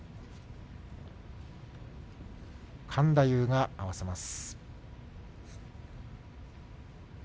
勘太夫が合わせます。